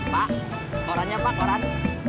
pak korannya pak koran